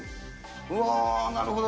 うわー、なるほど。